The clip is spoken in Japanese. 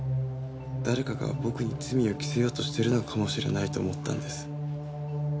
誰かが僕に罪を着せようとしてるのかもしれないと思ったんです。